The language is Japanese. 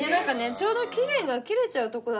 ちょうど期限が切れちゃうとこだったの。